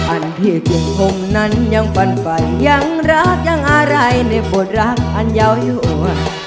อันที่เกลียดพงษ์นั้นยังปันไปยังรักยังอะไรในบทรัพย์อันยาวให้อ่วน